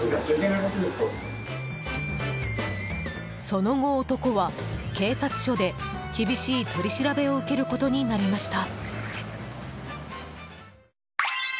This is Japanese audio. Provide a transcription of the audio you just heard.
その後、男は警察署で厳しい取り調べを受けることになりました。